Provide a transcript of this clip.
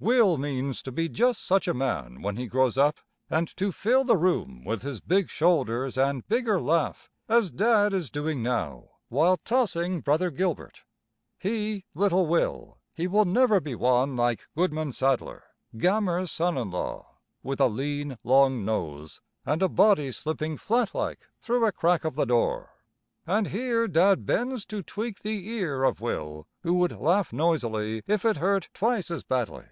Will means to be just such a man when he grows up, and to fill the room with his big shoulders and bigger laugh as Dad is doing now while tossing Brother Gilbert. He, little Will, he will never be one like Goodman Sadler, Gammer's son in law, with a lean, long nose, and a body slipping flatlike through a crack of the door. And here Dad bends to tweak the ear of Will who would laugh noisily if it hurt twice as badly.